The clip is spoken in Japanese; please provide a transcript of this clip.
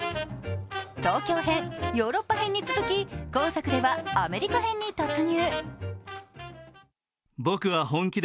東京編、ヨーロッパ編に続き、今作ではアメリカ編に突入。